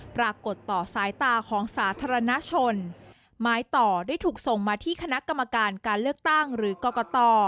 ปรากฏต่อสายตาของสาธารณชนไม้ต่อได้ถูกส่งมาที่คณะกรรมการการเลือกตั้งหรือกรกต